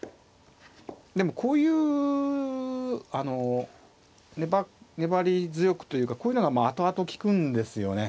でもこういうあの粘り強くというかこういうのが後々利くんですよね